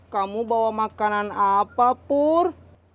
kamu bawa makanan apa pur